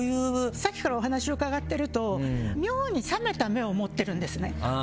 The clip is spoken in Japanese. さっきからお話を伺っていると妙に冷めた目を持ってるんですね。